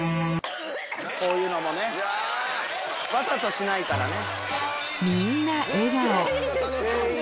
こういうのもねわざとしないからね。